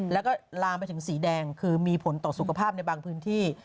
แล้วก็ลามไปถึงสีแดงคือมีผลต่อสุขภาพในบางพื้นที่